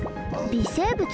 微生物？